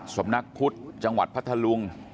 สำนักพุทธจังหวัดพัทธลุง